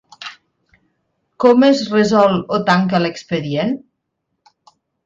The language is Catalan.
Com es resol o tanca l'expedient?